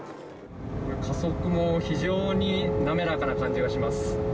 加速も非常に滑らかな感じがします。